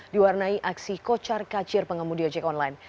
diwarnai aksi kocar kacir pengemudi ojek online